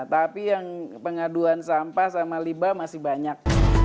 tapi yang pengaduan sampah sama limba masih banyak